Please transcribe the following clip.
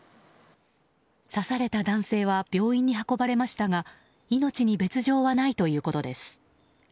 刺された男性は病院に運ばれましたが命に別条はないということです。